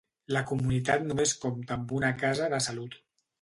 La comunitat només compta amb una casa de salut.